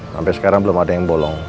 sampai sekarang belum ada yang bolong